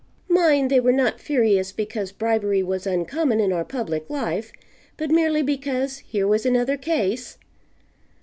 Mind, they were not furious because bribery was uncommon in our public life, but merely because here was another case.